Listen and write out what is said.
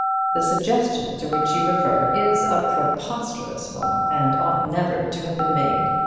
The suggestion to which you refer is a preposterous one, and ought never to have been made.